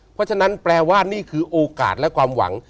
เพราะฉะนั้นแปลว่านี่คือโอกาสและความหวัง